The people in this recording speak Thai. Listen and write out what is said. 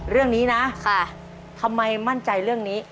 เรื่องนี้นะทำไมมั่นใจเรื่องนี้